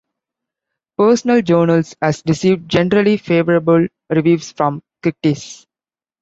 "Personal Journals" has received generally favorable reviews from critics.